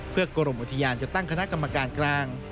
เพื่อกรมอุทยานจะตั้งคณะกรรมการกลาง